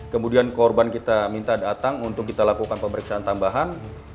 kemudian korban kita minta datang untuk kita lakukan pemeriksaan tambahan